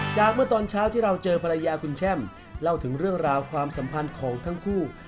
เมื่อตอนเช้าที่เราเจอภรรยาคุณแช่มเล่าถึงเรื่องราวความสัมพันธ์ของทั้งคู่